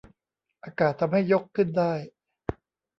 อากาศทำให้ยกขึ้นได้